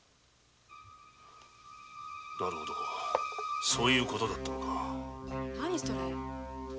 なるほどそういう事だったのか。